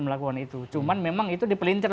melakukan itu cuman memang itu di pelintir